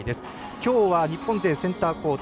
今日は日本勢、センターコート